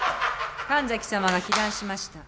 神崎さまが被弾しました。